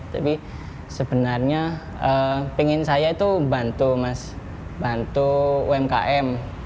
tapi sebenarnya pengen saya itu bantu mas bantu umkm